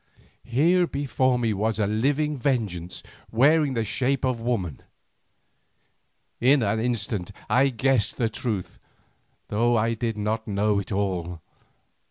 Here before me was a living Vengeance wearing the shape of woman. In an instant I guessed the truth, though I did not know it all.